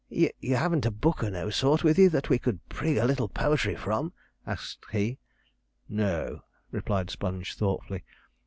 You haven't a book o' no sort with you that we could prig a little po'try from?' asked he. 'No,' replied Sponge thoughtfully.